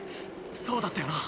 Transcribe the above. そうだったよな